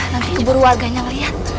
nanti keburu warganya lah ya